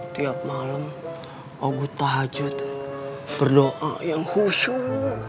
tiap malam aku tajud berdoa yang khusyuk